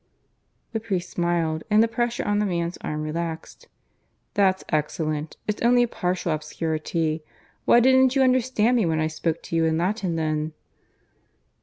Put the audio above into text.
_" The priest smiled, and the pressure on the man's arm relaxed. "That's excellent. It's only a partial obscurity. Why didn't you understand me when I spoke to you in Latin then?"